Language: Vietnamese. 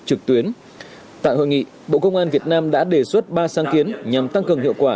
trực tuyến tại hội nghị bộ công an việt nam đã đề xuất ba sáng kiến nhằm tăng cường hiệu quả